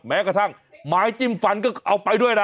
แม้กระทั่งไม้จิ้มฟันก็เอาไปด้วยนะ